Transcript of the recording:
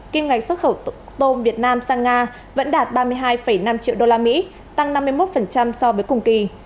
kim ngạch xuất khẩu tôm việt nam sang nga vẫn đạt ba mươi hai năm triệu usd tăng năm mươi một so với cùng kỳ